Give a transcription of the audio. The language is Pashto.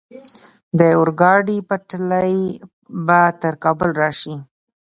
د اورګاډي پټلۍ به تر کابل راشي؟